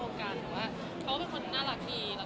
แล้วก็แบบเขาก็เรียบร้อยไม่ได้อะไรหรอก